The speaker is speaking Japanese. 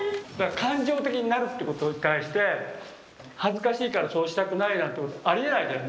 感情的になるってことに対して恥ずかしいからそうしたくないなんてありえないじゃん